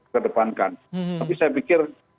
kedepankan tapi saya pikir